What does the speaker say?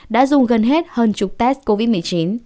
đã dùng gần hết hơn chục test covid một mươi chín